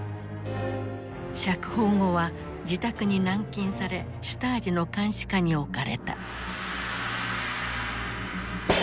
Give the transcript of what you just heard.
釈放後は自宅に軟禁されシュタージの監視下に置かれた。